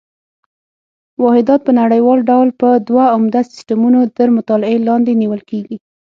واحدات په نړیوال ډول په دوه عمده سیسټمونو تر مطالعې لاندې نیول کېږي.